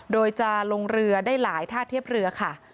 โดยจะลงเรือได้หลายท่าเทียบเรือค่ะ